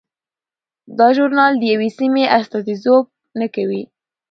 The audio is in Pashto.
دا ژورنال د یوې سیمې استازیتوب نه کوي.